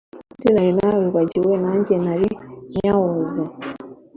umuti nari nawibagiwe, nange nari nywuzi: